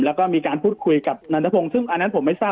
แล้วก็มีการพูดคุยกับนันทพงศ์ซึ่งอันนั้นผมไม่ทราบ